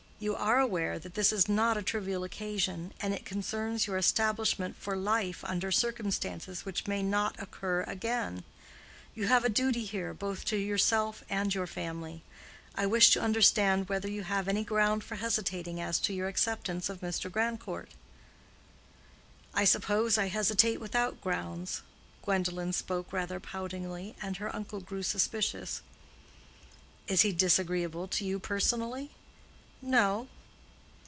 You are aware that this is not a trivial occasion, and it concerns your establishment for life under circumstances which may not occur again. You have a duty here both to yourself and your family. I wish to understand whether you have any ground for hesitating as to your acceptance of Mr. Grandcourt." "I suppose I hesitate without grounds." Gwendolen spoke rather poutingly, and her uncle grew suspicious. "Is he disagreeable to you personally?" "No."